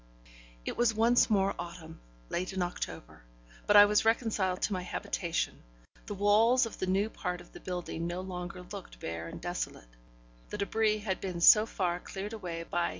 It was once more autumn; late in October. But I was reconciled to my habitation; the walls of the new part of the building no longer looked bare and desolate; the débris had been so far cleared away by M.